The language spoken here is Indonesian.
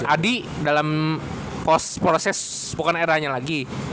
adi dalam proses bukan eranya lagi